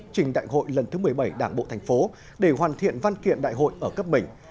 trình đại hội lần thứ một mươi bảy đảng bộ thành phố để hoàn thiện văn kiện đại hội ở cấp mình